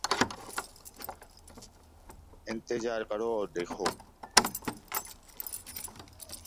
انتظار کرو اور دیکھو